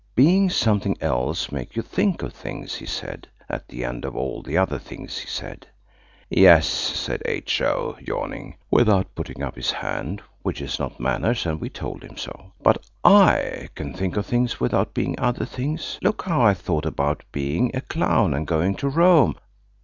"Being something else makes you think of things," he said at the end of all the other things he said. "Yes," said H.O., yawning, without putting up his hand which is not manners, and we told him so. "But I can think of things without being other things. Look how I thought about being a clown, and going to Rome."